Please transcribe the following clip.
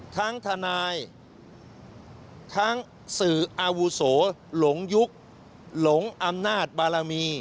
ทนายทั้งสื่ออาวุโสหลงยุคหลงอำนาจบารมี